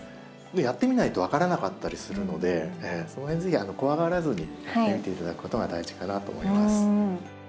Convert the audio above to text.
やってみないと分からなかったりするのでその辺ぜひ怖がらずにやってみていただくことが大事かなと思います。